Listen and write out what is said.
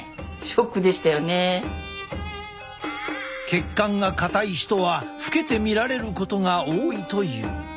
血管が硬い人は老けて見られることが多いという。